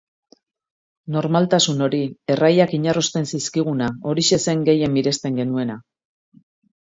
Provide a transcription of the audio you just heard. Normaltasun hori, erraiak inarrosten zizkiguna, horixe zen gehien miresten genuena.